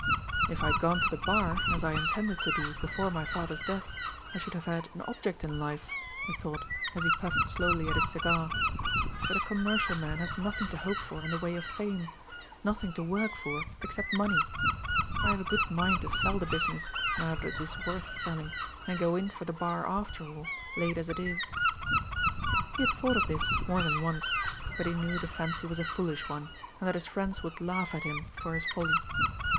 "If I had gone to the Bar, as I intended to do before my father's death, I should have had an object in life," he thought, as he puffed slowly at his cigar; "but a commercial man has nothing to hope for in the way of fame nothing to work for except money. I have a good mind to sell the business, now that it is worth selling, and go in for the Bar after all, late as it is." He had thought of this more than once; but he knew the fancy was a foolish one, and that his friends would laugh at him for his folly.